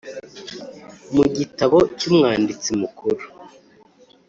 mu gitabo cy Umwanditsi Mukuru